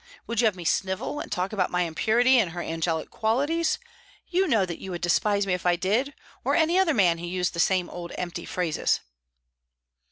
Would you have me snivel, and talk about my impurity and her angelic qualities? You know that you would despise me if I did or any other man who used the same empty old phrases."